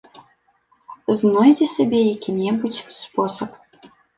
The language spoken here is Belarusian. Знойдзе сабе які-небудзь спосаб.